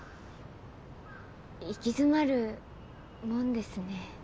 行き詰まるもんですね。